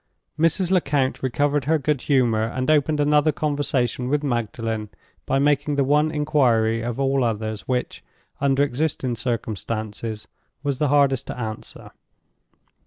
Mrs. Lecount recovered her good humor, and opened another conversation with Magdalen by making the one inquiry of all others which, under existing circumstances, was the hardest to answer.